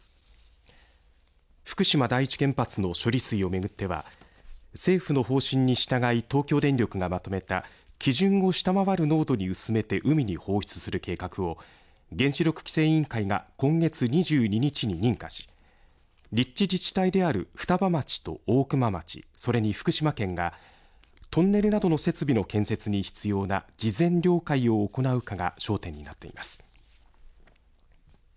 福島第一原発の処理水を巡っては政府の方針に従い東京電力がまとめた基準を下回る濃度に薄めて海に放出する計画を原子力規制委員会が今月２２日に認可し立地自治体である双葉町と大熊町、それに福島県がトンネルなどの設備の建設に必要な事前了解を行うかが焦点になっています。